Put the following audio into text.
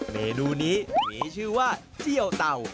เมนูนี้มีชื่อว่าเจียวเต่า